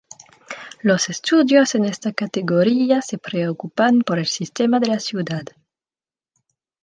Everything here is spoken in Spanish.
Los estudios en esta categoría se preocupan por el sistema de la ciudad.